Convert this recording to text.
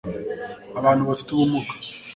abantu bafite ubumuga